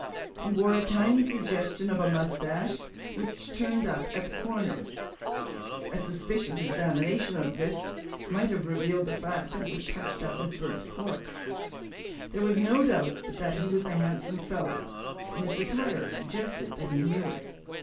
He wore a tiny suggestion of a moustache which turned up at the corners (a suspicious examination of this, might have revealed the fact that it was touched up with burnt cork); there was no doubt but that he was a handsome fellow, and his attire suggested that he knew it.